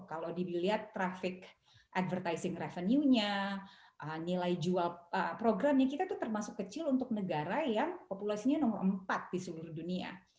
kalau dilihat traffic advertising revenue nya nilai jual programnya kita itu termasuk kecil untuk negara yang populasinya nomor empat di seluruh dunia